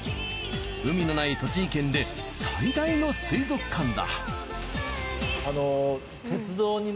海のない栃木県で最大の水族館だ。